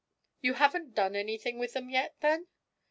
'You haven't done anything with them yet, then?'